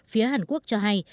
phía hàn quốc cho hay